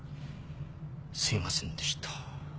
すいませんでした。